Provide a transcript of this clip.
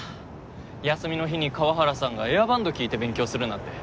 休みの日に河原さんがエアバンド聞いて勉強するなんて。